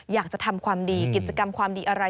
อยากจะทำความดีกิจกรรมความดีอะไร